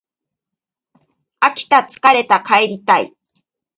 飽きた疲れた帰りたい